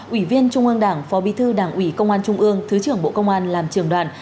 ủy viên trung ương đảng phó bí thư đảng ủy công an trung ương thứ trưởng bộ công an làm trường đoàn